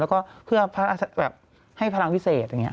แล้วก็เพื่อแบบให้พลังพิเศษอย่างนี้